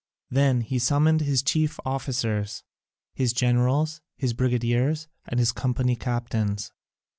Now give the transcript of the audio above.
Then he summoned his chief officers, his generals, his brigadiers, and his company captains.